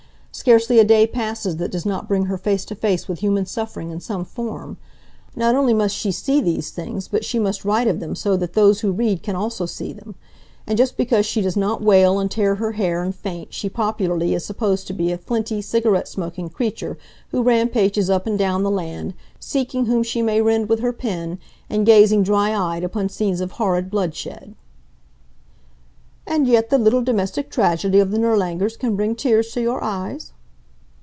Scarcely a day passes that does not bring her face to face with human suffering in some form. Not only must she see these things, but she must write of them so that those who read can also see them. And just because she does not wail and tear her hair and faint she popularly is supposed to be a flinty, cigarette smoking creature who rampages up and down the land, seeking whom she may rend with her pen and gazing, dry eyed, upon scenes of horrid bloodshed." "And yet the little domestic tragedy of the Nirlangers can bring tears to your eyes?"